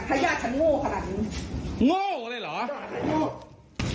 ถ้ายากฉันโง่ขนาดนี้โง่เลยเหรอใช่ฉันโง่